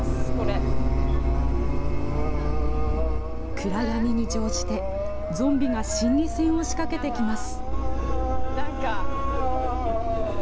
暗闇に乗じて、ゾンビが心理戦を仕掛けてきます。